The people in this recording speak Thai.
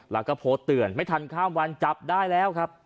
แล้วก็โพสต์เตือนไม่ทันข้ามวันจับได้แล้วครับ